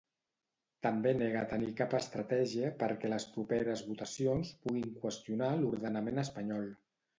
També nega tenir cap estratègia perquè les properes votacions puguin qüestionar l'ordenament espanyol.